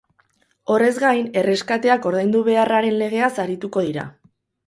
Horrez gain, erreskateak ordaindu beharraren legeaz arituko dira.